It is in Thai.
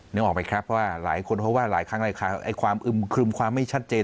นึกออกไปครับว่าหลายคนเพราะว่าหลายครั้งความอึมคลุมความไม่ชัดเจน